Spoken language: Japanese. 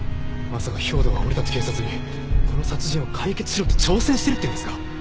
まさか兵働は俺たち警察にこの殺人を解決しろと挑戦してるっていうんですか？